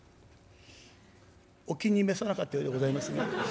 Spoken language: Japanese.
お気に召さなかったようでございますが。